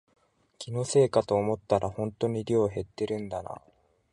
気のせいかと思ったらほんとに量減ってるんだな